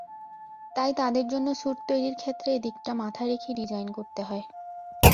তাই, তাদের জন্য স্যুট তৈরির ক্ষেত্রে এদিকটা মাথায় রেখেই ডিজাইন করতে হয়।